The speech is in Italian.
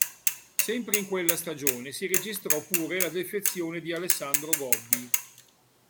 Sempre in quella stagione si registrò pure la defezione di Alessandro Gobbi.